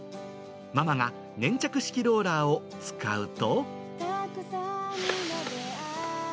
ママが粘着式ローラーを使うと。